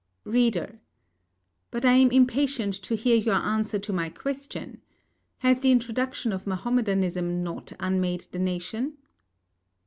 READER: But I am impatient to hear your answer to my question. Has the introduction of Mahomedanism not unmade the nation?